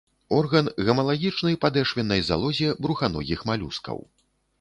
Орган гамалагічны падэшвеннай залозе бруханогіх малюскаў.